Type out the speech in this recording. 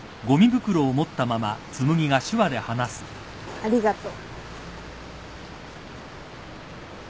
ありがとう。